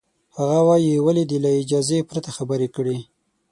هغه وایي، ولې دې له اجازې پرته خبرې کړې؟